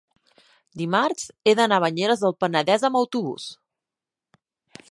dimarts he d'anar a Banyeres del Penedès amb autobús.